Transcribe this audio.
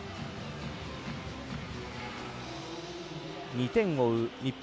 ２点を追う日本。